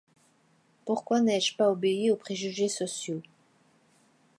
Pourquoi n’ai-je pas obéi aux préjugés sociaux?